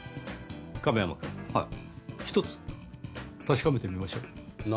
亀山君１つ確かめてみましょう。